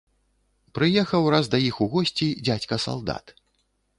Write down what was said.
Прыехаў раз да іх у госці дзядзька салдат.